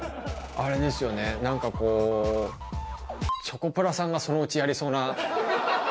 あれですよね、なんかこう、チョコプラさんがそのうちやりそうな。